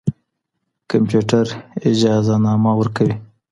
کمپيوټر اجازهنامه ورکوي.